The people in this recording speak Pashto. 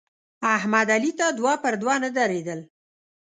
احمد علي ته دوه پر دوه نه درېدل.